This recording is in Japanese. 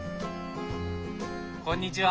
こんにちは！